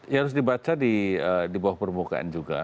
ya harus dibaca di bawah permukaan juga